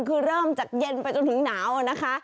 คือเริ่มจากเย็นไปจนถึงหนาวนะคะ